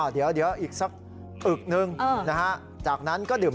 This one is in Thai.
เดี๋ยวอีกซักอึกนึง